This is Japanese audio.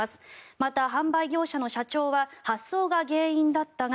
また、販売業者の社長は発送が原因だったが